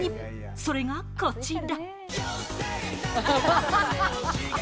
それがこちら！